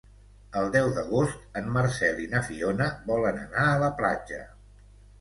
El deu d'agost en Marcel i na Fiona volen anar a la platja.